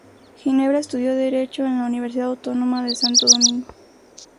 Ginebra estudió derecho en la Universidad Autónoma de Santo Domingo.